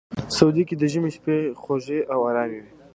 سعودي کې د ژمي شپې خوږې او ارامې وي.